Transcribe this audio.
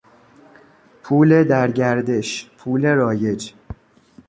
پول در گردش، پول رایج